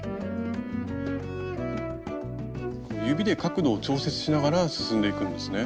指で角度を調節しながら進んでいくんですね。